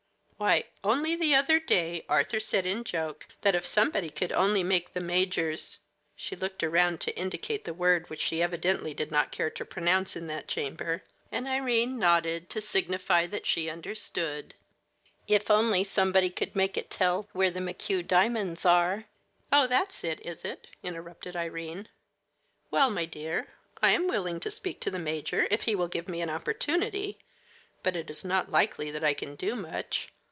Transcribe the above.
"Why, only the other day Arthur said in joke that if somebody could only make the major's " she looked around to indicate the word which she evidently did not care to pronounce in that chamber, and Irene nodded to signify that she understood "if only somebody could make it tell where the McHugh diamonds are " "Oh, that's it, is it?" interrupted Irene. "Well, my dear, I am willing to speak to the major, if he will give me an opportunity; but it is not likely that I can do much.